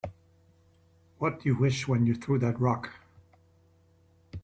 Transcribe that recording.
What'd you wish when you threw that rock?